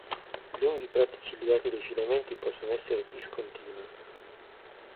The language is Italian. I lunghi tratti ciliati dei filamenti possono essere discontinui.